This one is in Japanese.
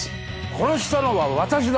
殺したのは私だ！